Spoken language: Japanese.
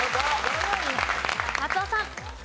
松尾さん。